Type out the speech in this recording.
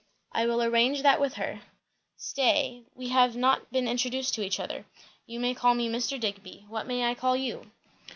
"I will arrange that with her. Stay, we have not been introduced to each other. You may call me Mr. Digby; what may I call you?"